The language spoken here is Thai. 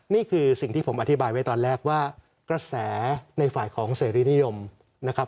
นี่คือสิ่งที่ผมอธิบายไว้ตอนแรกว่ากระแสในฝ่ายของเสรีนิยมนะครับ